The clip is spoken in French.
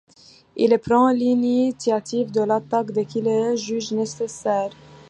Il prend l'initiative de l'attaque dès qu'il le juge nécessaire.